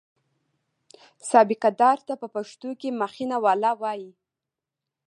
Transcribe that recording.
سابقه دار ته په پښتو کې مخینه والا وایي.